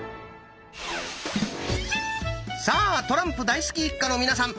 さあトランプ大好き一家の皆さん。